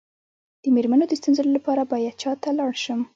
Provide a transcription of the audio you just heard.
د میرمنو د ستونزو لپاره باید چا ته لاړ شم؟